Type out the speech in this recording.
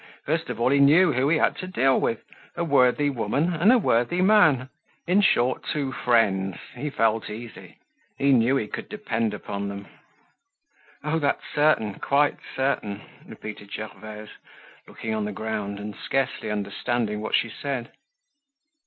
First of all, he knew who he had to deal with, a worthy woman and a worthy man—in short two friends! He felt easy; he knew he could depend upon them. "Oh! that's certain, quite certain," repeated Gervaise, looking on the ground and scarcely understanding what she said.